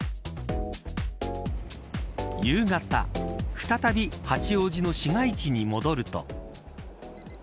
夕方、再び八王子の市街地に戻ると。